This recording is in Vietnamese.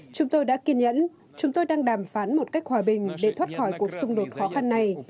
chúng tôi đã kiên nhẫn chúng tôi đang đàm phán một cách hòa bình để thoát khỏi cuộc xung đột khó khăn này